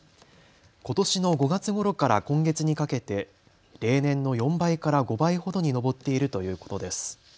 ことしの５月ごろから今月にかけて例年の４倍から５倍ほどに上っているということです。